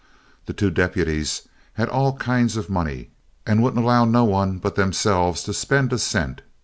The two deputies had all kinds of money, and wouldn't allow no one but themselves to spend a cent.